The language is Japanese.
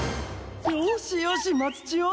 よーしよし松千代。